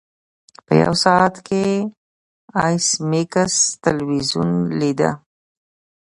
په یو ساعت کې ایس میکس تلویزیون لیده